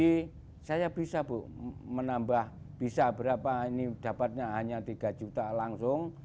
jadi saya bisa buk menambah bisa berapa ini dapatnya hanya tiga juta langsung